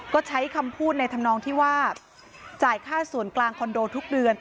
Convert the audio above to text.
ก็ใช้คำพูดในธรรมนองที่ว่าจ่ายค่าส่วนกลางคอนโดทุกเดือน